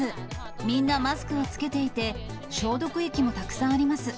みんなマスクを着けていて、消毒液もたくさんあります。